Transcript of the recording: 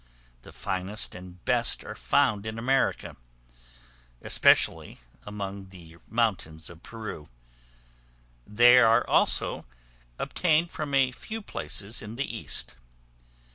The finest and best are found in America, especially among the mountains of Peru; they are also obtained from a few places in the East.